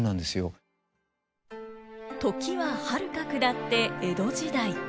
時ははるか下って江戸時代。